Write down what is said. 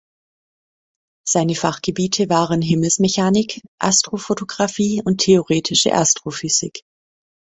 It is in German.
Seine Fachgebiete waren Himmelsmechanik, Astrofotografie und Theoretische Astrophysik.